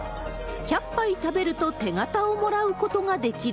１００杯食べると手形をもらうことができる。